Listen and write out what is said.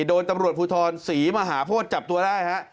โดนตำรวจภูทรศรีมหาพลจับตัวได้ครับ